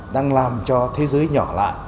đang làm cho thế giới nhỏ lại